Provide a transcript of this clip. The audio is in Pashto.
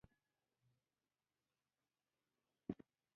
آیا دوی سپوږمکۍ او روباټونه نه جوړوي؟